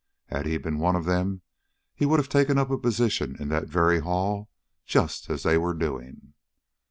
Had he been one of them, he would have taken up a position in that very hall just as they were doing.